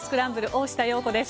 大下容子です。